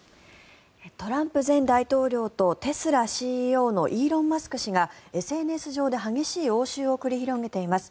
トランプ前大統領とテスラＣＥＯのイーロン・マスク氏がＳＮＳ上で激しい応酬を繰り広げています。